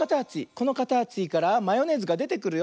このかたちからマヨネーズがでてくるよ。